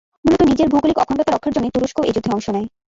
মূলত নিজের ভৌগোলিক অখণ্ডতা রক্ষার জন্যই তুরস্ক এ যুদ্ধে অংশ নেয়।